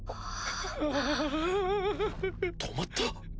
止まった？